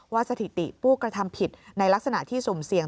สถิติผู้กระทำผิดในลักษณะที่สุ่มเสี่ยง